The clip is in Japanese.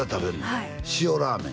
はい塩ラーメン？